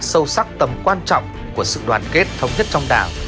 sâu sắc tầm quan trọng của sự đoàn kết thống nhất trong đảng